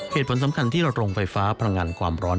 เหตุผลสำคัญที่เราตรงไฟฟ้าพลังงานความร้อน